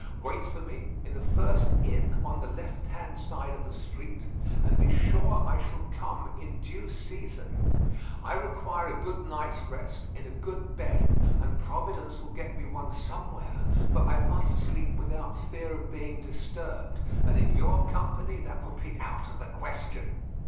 Wait for me in the first inn on the left hand side of the street, and be sure I shall come in due season. I require a good night's rest in a good bed; and Providence will get me one somewhere, but I must sleep without fear of being disturbed, and in your company that would be out of the question.